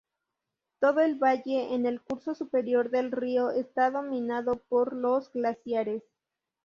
Todo el valle, en el curso superior del río, está dominado por los glaciares.